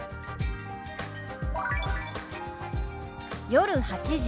「夜８時」。